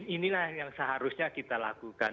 inilah yang seharusnya kita lakukan